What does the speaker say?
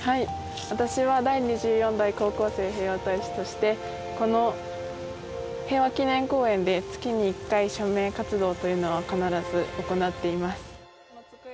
私は第２４代高校生平和大使として、この平和記念公園で月に１回、署名活動というのを必ず行っています。